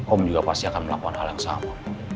om juga pasti akan melakukan hal yang sama